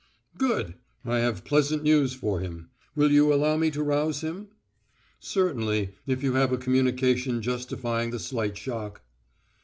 "Good! I have pleasant news for him. Will you allow me to rouse him?" "Certainly, if you have a communication justifying the slight shock."